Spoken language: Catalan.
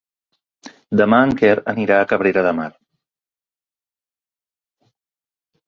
Demà en Quer anirà a Cabrera de Mar.